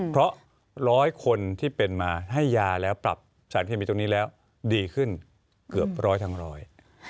เพราะร้อยคนที่เป็นมาให้ยาแล้วปรับสารเคมีตรงนี้แล้วดีขึ้นเกือบร้อยทั้งร้อย